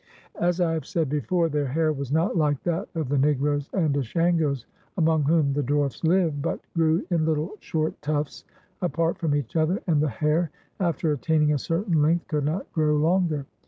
As I have said before, their hair was not like that of the Negroes and Ashangos among whom the dwarfs live, but grew in little short tufts apart from each other, and the hair, after attaining a certain length, could not grow longer.